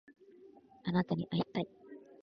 あなたに会いたい